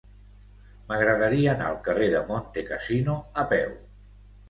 M'agradaria anar al carrer de Montecassino a peu.